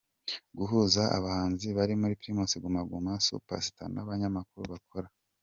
guhuza abahanzi bari muri Primus Guma Guma Super Star nabanyamakuru bakora.